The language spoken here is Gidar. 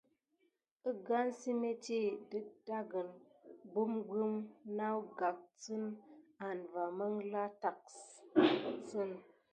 Əgane səmétti dətɗaŋgəne gɓugɓum nawgapgəne ane va məŋɠla tacksəne.